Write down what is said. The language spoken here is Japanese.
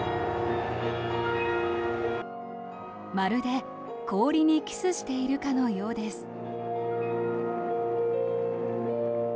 まるで、氷にキスしているかのようです。